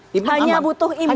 hanya butuh imbang